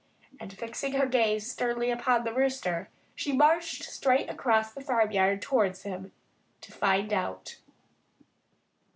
And fixing her gaze sternly upon the Rooster, she marched straight across the farmyard towards him, to find out.